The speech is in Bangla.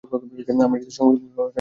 আমরা এটি সংশোধন করার জন্য কাজ করছি।